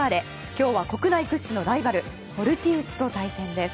今日は国内屈指のライバルフォルティウスと対戦です。